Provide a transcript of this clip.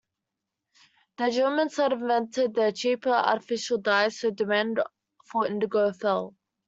The Germans had invented a cheaper artificial dye so the demand for indigo fell.